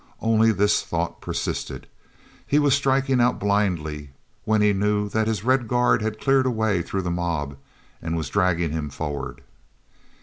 Only this thought persisted. He was striking out blindly when he knew that his red guard had cleared a way through the mob and was dragging him forward.